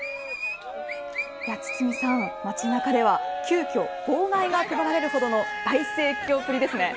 堤さん街中では急きょ号外が配られるほどの大盛況ぶりですね。